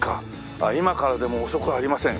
「今からでも遅くはありません。